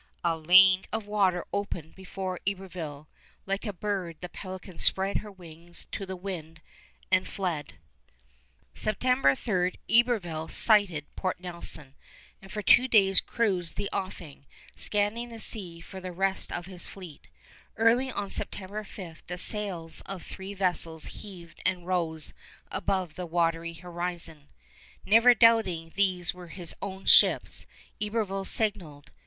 A lane of water opened before Iberville. Like a bird the Pelican spread her wings to the wind and fled. [Illustration: PLAN OF QUEBEC (after Franquelin, 1683)] September 3 Iberville sighted Port Nelson, and for two days cruised the offing, scanning the sea for the rest of his fleet. Early on September 5 the sails of three vessels heaved and rose above the watery horizon. Never doubting these were his own ships, Iberville signaled.